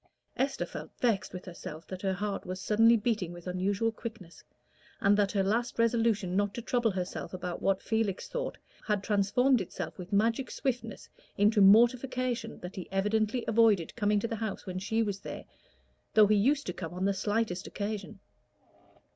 Esther felt vexed with herself that her heart was suddenly beating with unusual quickness, and that her last resolution not to trouble herself about what Felix thought had transformed itself with magic swiftness into mortification that he evidently avoided coming to the house when she was there, though he used to come on the slightest occasion.